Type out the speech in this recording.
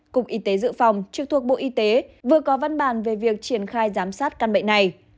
cục y tế dự phòng trực thuộc bộ y tế vừa có văn bản về việc triển khai giám sát căn bệnh này